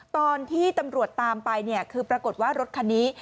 ตอนที่ตำรวจตามไปเนี่ยคือปรากฏว่ารถคันนี้